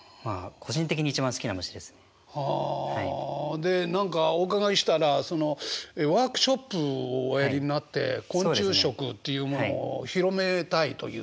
で何かお伺いしたらワークショップをおやりになって昆虫食っていうものを広めたいという。